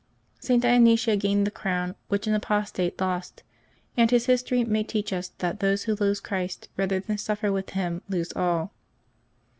St. Dionysia gained the crown which an apostate lost, and his history may teach us that those who lose Christ rather than suffer with Him lose all.